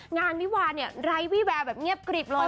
งานวิวาเนี่ยไร้วี่แววแบบเงียบกริบเลย